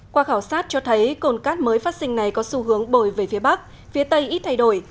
qua khảo sát cho thấy cồn cát mới phát sinh này có xu hướng bồi về phía bắc phía tây ít thay đổi